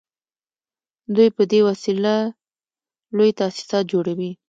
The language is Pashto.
دوی په دې وسیله لوی تاسیسات جوړوي